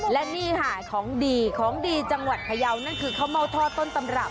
และนี่ค่ะของดีของดีจังหวัดพยาวนั่นคือข้าวเม่าทอดต้นตำรับ